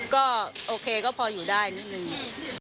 ก็โอเคก็พออยู่ได้นิดนึง